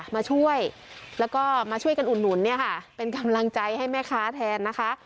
มาช่วยแล้วก็มาช่วยกันอุดหนุนเนี่ยค่ะเป็นกำลังใจให้แม่ค้าแทนนะคะ